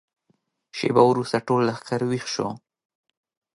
شېبه وروسته ټول لښکر ويښ شو.